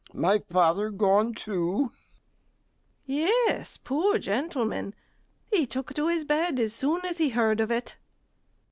G. My father gone too? STEWARD. Yes, poor gentleman, he took to his bed as soon as he heard of it.